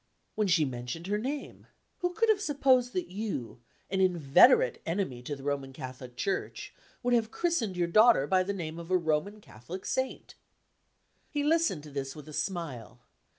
"When she mentioned her name. Who could have supposed that you an inveterate enemy to the Roman Catholic Church would have christened your daughter by the name of a Roman Catholic Saint?" He listened to this with a smile.